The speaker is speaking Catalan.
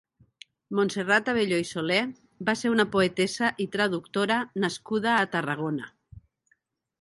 Montserrat Abelló i Soler va ser una poetessa i traductora nascuda a Tarragona.